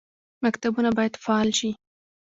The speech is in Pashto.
مکتبونه باید فعال شي